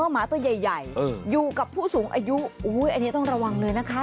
หมาตัวใหญ่อยู่กับผู้สูงอายุอันนี้ต้องระวังเลยนะคะ